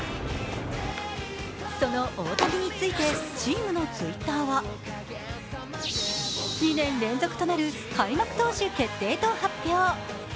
その大谷についてチームのＴｗｉｔｔｅｒは２年連続となる開幕投手決定を発表